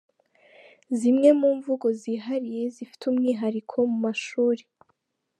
Zimwe mu mvugo zihariye zifite umwihariko mu mashuri